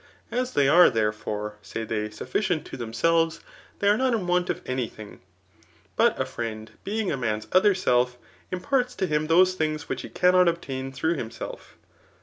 As they are, therefore, (say they) sufficient to themselves, they are not in want of any thing ; but a friend being a man's other self, im^ parts to him those things which he cannot obtain through himself.